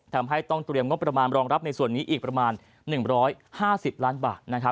ทำให้ต้องเตรียมงบประมาณรองรับในส่วนนี้อีกประมาณ๑๕๐ล้านบาท